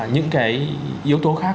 những cái yếu tố khác